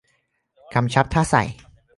กำชับถ้าใส่